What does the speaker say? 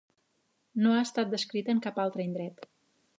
No ha estat descrita en cap altre indret.